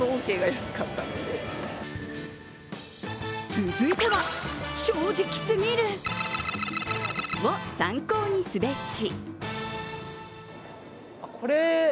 続いては、正直すぎる○○を参考にすべし！